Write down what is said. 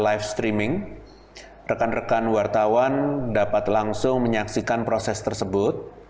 live streaming rekan rekan wartawan dapat langsung menyaksikan proses tersebut